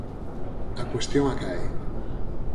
A cuestión acae.